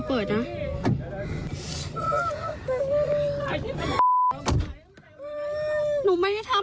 มันเกิดเหตุเป็นเหตุที่บ้านกลัว